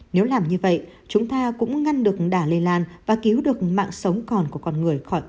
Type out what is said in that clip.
nếu làm như vậy chúng ta cũng ngăn được đà lây lan và cứu được mạng sống còn của con người khỏi